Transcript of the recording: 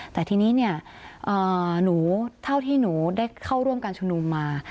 แต่ทีนี้เนี่ยหนูเท่าที่หนูได้เข้าร่วมการชุมนุมมา